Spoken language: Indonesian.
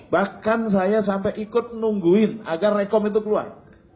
bahkan saya sampai ikut nungguin agar rekom itu keluar